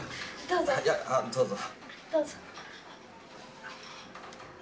どうぞ。